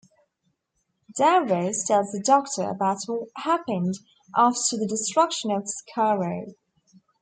Davros tells the Doctor about what happened after the destruction of Skaro.